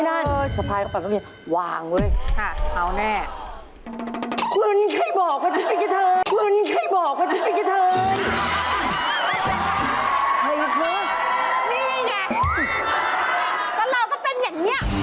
นี่เราก็เป็นอย่างนี้